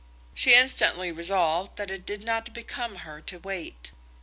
She instantly resolved that it did not become her to wait.